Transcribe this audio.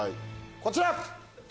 こちら。